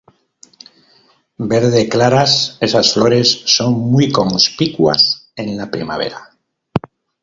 Verde claras, esas flores son muy conspicuas en la primavera.